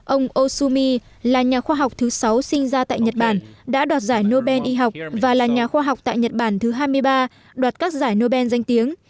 ông osumi là nhà khoa học thứ sáu sinh ra tại nhật bản đã đoạt giải nobel y học và là nhà khoa học tại nhật bản thứ hai mươi ba đoạt các giải nobel danh tiếng